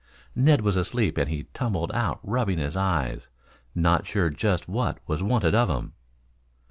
Ned was asleep and he tumbled out rubbing his eyes, not sure just what was wanted of him.